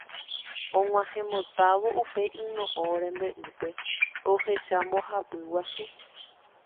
Og̃uahẽmbotávo upe yno'õ rembe'ýpe ohecha mbohapy guasu.